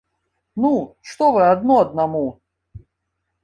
Ну, што вы адно аднаму?!